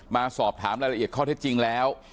มาสอบถามรายละเอียดข้อเท็จจริงแล้ว